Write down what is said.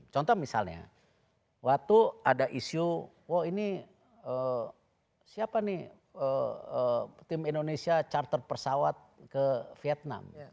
contoh misalnya waktu ada isu wah ini siapa nih tim indonesia charter pesawat ke vietnam